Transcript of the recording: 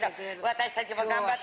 私たちも頑張って。